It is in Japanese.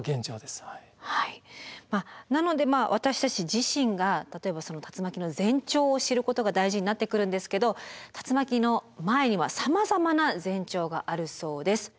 なのでまあ私たち自身が例えばその竜巻の前兆を知ることが大事になってくるんですけど竜巻の前にはさまざまな前兆があるそうです。